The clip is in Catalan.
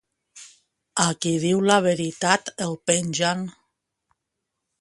A qui diu la veritat, el pengen.